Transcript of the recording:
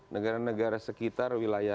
negara negara sekitar wilayah